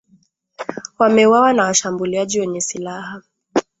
wameuawa na washambuliaji wenye silaha